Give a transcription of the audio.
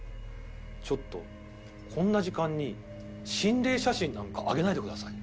「ちょっとこんな時間に心霊写真なんか上げないでください」。